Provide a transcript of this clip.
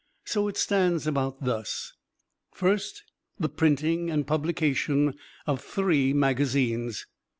So it stands about thus: First, the printing and publication of three magazines.